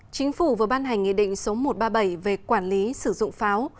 chính phủ vừa ban hành nghị định số một trăm ba mươi bảy về quản lý sử dụng pháo